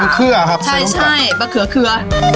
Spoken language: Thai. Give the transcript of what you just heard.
ใช่ใช่บัตเกือร์เคลือ